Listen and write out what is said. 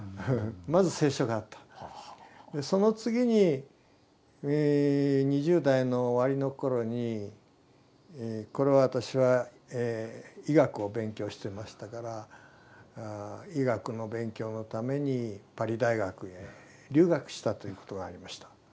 その次に２０代の終わりの頃に私は医学を勉強してましたから医学の勉強のためにパリ大学へ留学したということがありました。